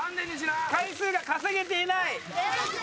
回数が稼げていない。